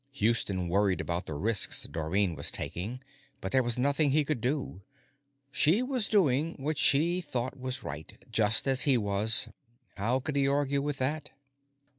Houston worried about the risks Dorrine was taking, but there was nothing he could do. She was doing what she thought was right, just as he was; how could he argue with that?